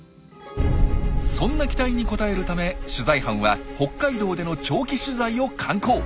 そんな期待に応えるため取材班は北海道での長期取材を敢行！